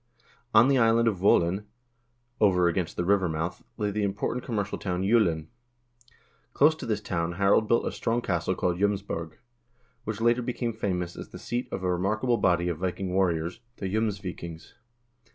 On the is land of Wollin, over against the river mouth, lay the important com mercial town Julin. Close to this town Harald built a strong castle called "Jomsborg," which later became famous1 as the seat of a remarkable body of Viking warriors, the Jomsvikings.